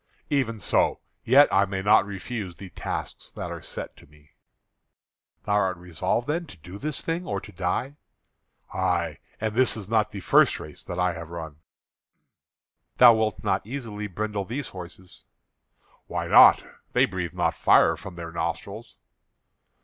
"Even so, yet I may not refuse the tasks that are set to me." "Thou art resolved then to do this thing or to die?" "Ay; and this is not the first race that I have run." "Thou wilt not easily bridle these horses." "Why not? They breathe not fire from their nostrils."